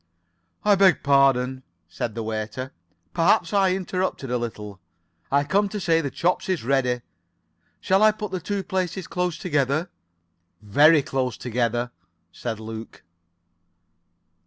"I beg pardon," said the waiter. "Perhaps I interrupt a little. I come to say the chops is ready. Shall I put the two places close together?" "Very close together," said Luke.